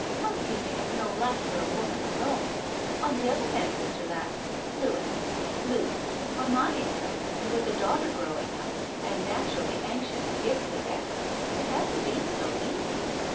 "Housekeeping is no life for a woman alone. On the other hand, Mr. Latz — Louis — Loo, on my income, and with a daughter growing up, and naturally anxious to give her the best, it hasn't been so easy.